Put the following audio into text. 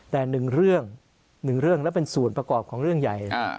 แต่หนึ่งเรื่องแล้วเป็นส่วนประกอบของเรื่องใหญ่